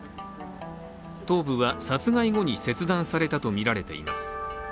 頭部は殺害後に切断されたとみられています。